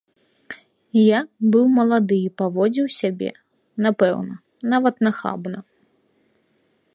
Я быў малады і паводзіў сябе, напэўна, нават нахабна.